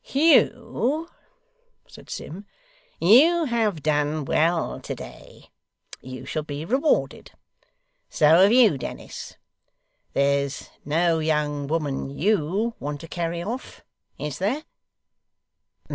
'Hugh!' said Sim. 'You have done well to day. You shall be rewarded. So have you, Dennis. There's no young woman YOU want to carry off, is there?